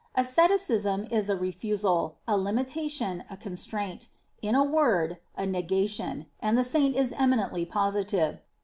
Asceticism is a refusal, a limitation, a constraint in a word, a negation ; and the Saint is eminently positive.